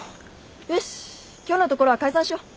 よし今日のところは解散しよう。